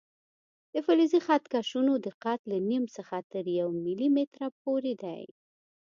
د فلزي خط کشونو دقت له نیم څخه تر یو ملي متره پورې دی.